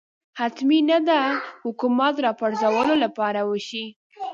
حتمي نه ده حکومت راپرځولو لپاره وشي